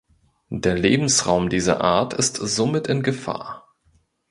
Der Lebensraum dieser Art ist somit in Gefahr.